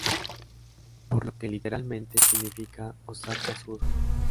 Por lo que literalmente significa "Osaka Sur".